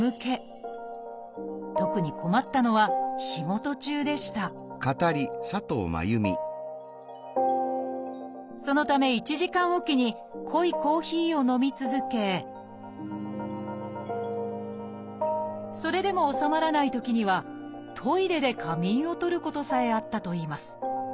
特に困ったのは仕事中でしたそのため１時間置きに濃いコーヒーを飲み続けそれでも治まらないときにはトイレで仮眠をとることさえあったといいます。